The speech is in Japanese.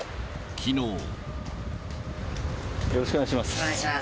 よろしくお願いします。